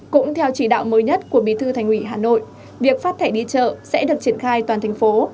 cũng theo chỉ đạo mới nhất của bí thư thành ủy hà nội việc phát thẻ đi chợ sẽ được triển khai toàn thành phố